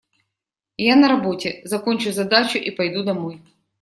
Я на работе, закончу задачу и пойду домой.